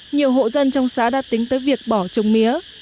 nhiều hộ dân trong xã đã tính tới việc bỏ trồng mía